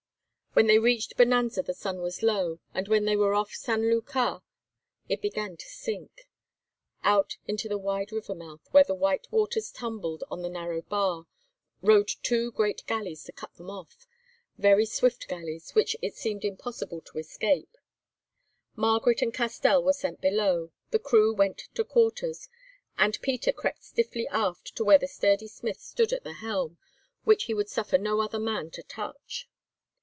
When they reached Bonanza the sun was low, and when they were off San Lucar it had begun to sink. Out into the wide river mouth, where the white waters tumbled on the narrow bar, rowed two great galleys to cut them off, very swift galleys, which it seemed impossible to escape. Margaret and Castell were sent below, the crew went to quarters, and Peter crept stiffly aft to where the sturdy Smith stood at the helm, which he would suffer no other man to touch.